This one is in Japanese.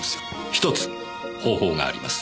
１つ方法があります。